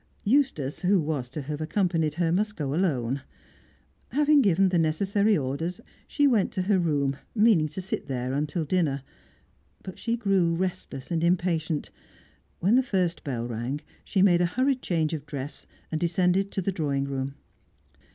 Eustace, who was to have accompanied her, must go alone. Having given the necessary orders, she went to her room, meaning to sit there until dinner. But she grew restless and impatient; when the first bell rang, she made a hurried change of dress, and descended to the drawing room.